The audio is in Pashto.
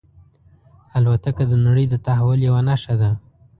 الوتکه د نړۍ د تحول یوه نښه ده.